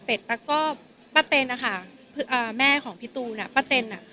เสร็จแล้วก็ป้าเต็นนะคะอ่าแม่ของพี่ตูนป้าเต็นอ่ะ